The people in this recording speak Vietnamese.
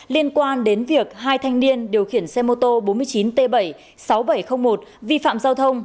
liên quan đến việc hai thanh niên điều khiển xe mô tô bốn mươi chín t bảy sáu nghìn bảy trăm linh một vi phạm giao thông